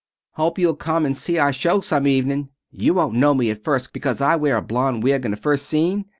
"Hope you'll come and see our show some evening. You won't know me at first, because I wear a blond wig in the first scene.